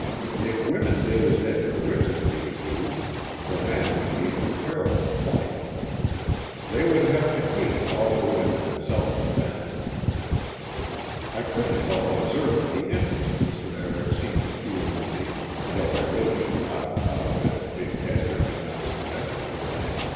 If women did as Edgar wishes me to do, the men would be in a terrible plight. They would have to hate all the women in self defence. I couldn't help observing the interest Mr. Everet seems to feel in me though I really should not have thought of it if Edgar had not suggested it.